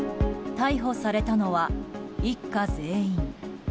逮捕されたのは一家全員。